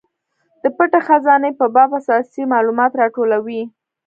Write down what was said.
د پټې خزانې په باب اساسي مالومات راټولوي.